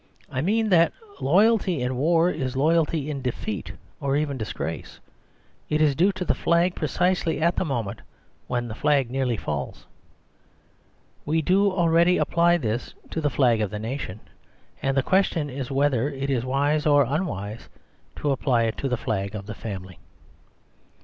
I mean that loyalty in war is loyalty in defeat or even disgrace ; it is due to the flag precisely at the moment when the flag nearly falls. Wc do already apply this to the flag of the nation ; and the question is whether it is wise or unwise to apply it to the flag of the family.